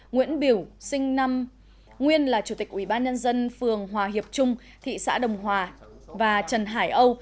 nguyễn biểu sinh năm nguyên là chủ tịch ủy ban nhân dân phường hòa hiệp trung thị xã đồng hòa và trần hải âu